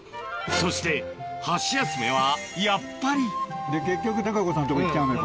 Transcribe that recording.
そして箸休めはやっぱり結局孝子さんとこいっちゃうのよ